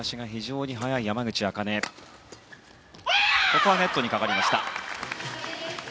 ここはネットにかかりました。